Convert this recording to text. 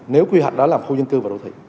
nếu quy hoạch đó là khu dân cư và đồ thị